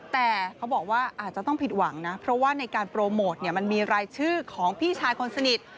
แต่เขาบอกว่าอาจจะต้องผิดหวังนะเพราะว่าในการโปรโมทมันมีรายชื่อของพี่ชายคนสนิท